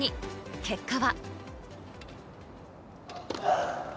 結果は。